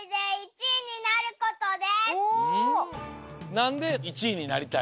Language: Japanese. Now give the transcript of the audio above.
なんで１いになりたい？